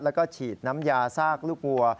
แล้วก็ฉีดน้ำยาซากลูกวัว